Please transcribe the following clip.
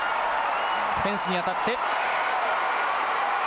フェンスに当たって。